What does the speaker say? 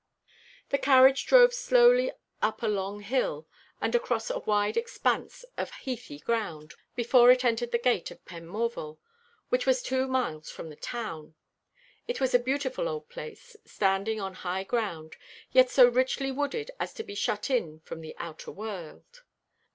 The carriage drove slowly up a long hill, and across a wide expanse of heathy ground, before it entered the gate of Penmorval, which was two miles from the town. It was a beautiful old place, standing on high ground, yet so richly wooded as to be shut in from the outer world.